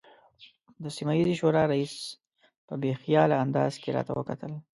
د سیمه ییزې شورا رئیس په بې خیاله انداز کې راته وکتل.